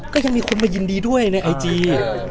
ก็ยังมีคนมายินดีด้วยในไอจี